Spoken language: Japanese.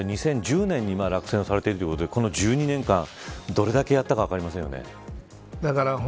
２０１０年に落選されているということでこの１２年間、どれだけやったか分かりませんよね。